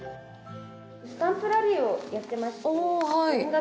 スタンプラリーをやっていましてぶえん鰹